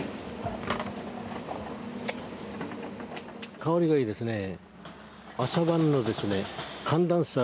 香りがいいですねえ。